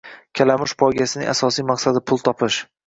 Kalamush poygasining asosiy maqsadi pul topish